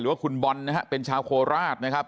หรือว่าคุณบอนด์นะฮะเป็นชาวโคราสนะครับ